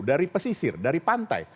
dari pesisir dari pantai